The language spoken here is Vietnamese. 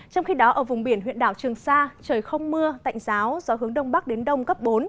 trong khi đó ở vùng biển huyện đảo trường sa trời không mưa tạnh giáo gió hướng đông bắc đến đông cấp bốn